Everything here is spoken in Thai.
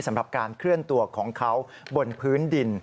สำหรับการเคลื่อนตัวของเขาบนพื้นดิน